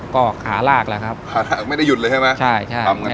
ก็หาลากแหละครับหาลากไม่ได้หยุดเลยใช่ไหมใช่ใช่ไม่ได้หยุด